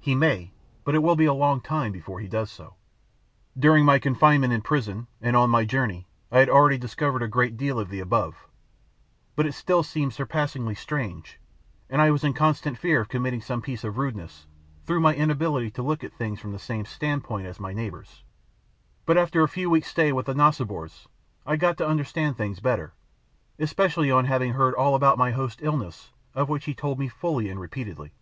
He may—but it will be a long time before he does so. During my confinement in prison, and on my journey, I had already discovered a great deal of the above; but it still seemed surpassingly strange, and I was in constant fear of committing some piece of rudeness, through my inability to look at things from the same stand point as my neighbours; but after a few weeks' stay with the Nosnibors, I got to understand things better, especially on having heard all about my host's illness, of which he told me fully and repeatedly.